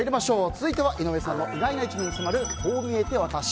続いては井上さんの意外な一面に迫る、こう見えてワタシ。